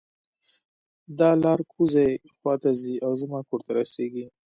دا لار کوزۍ خوا ته ځي او زما کور ته رسیږي